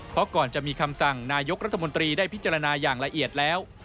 เพราะก่อนจะมีคำสั่งนายกรัฐมนตรีได้พิจารณาอย่างละเอียดแล้ว